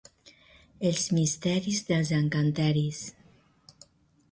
Els misteris dels encanteris.